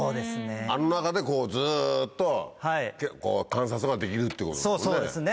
あの中でずっと観察ができるってことだもんね。